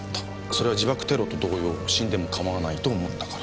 それは自爆テロと同様死んでも構わないと思ったから。